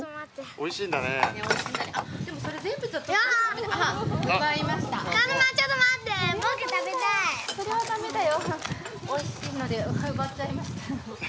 おいしいので奪っちゃいました。